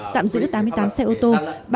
tạm giữ tám mươi tám xe ô tô